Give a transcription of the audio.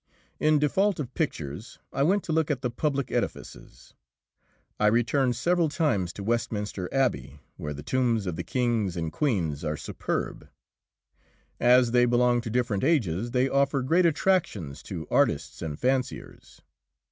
In default of pictures, I went to look at the public edifices. I returned several times to Westminster Abbey, where the tombs of the kings and queens are superb. As they belong to different ages they offer great attractions to artists and fanciers.